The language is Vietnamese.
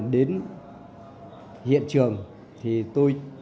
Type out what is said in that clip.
đến hiện trường thì tôi